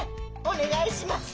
お願いします！